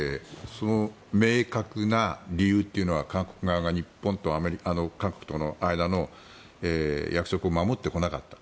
その明確な理由というのは韓国側が日本と韓国との間の約束を守ってこなかった。